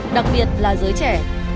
đặc biệt là giới trẻ